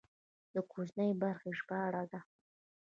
د کوچنۍ برخې ژباړه ده.